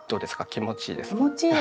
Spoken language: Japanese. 気持ちいいです。